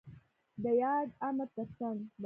د ياد امر تر څنګ ب